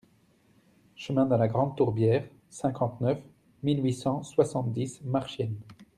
Chemin de la Grande Tourbière, cinquante-neuf mille huit cent soixante-dix Marchiennes